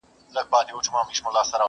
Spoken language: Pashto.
ستاسو خوږو مینوالو سره شریکوم٫